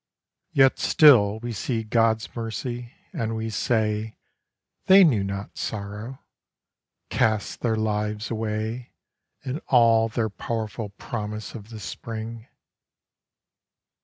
Yet still we see God's mercy, and we say ' They knew not sorrow, cast their lives away In all their powerful promise of the spring.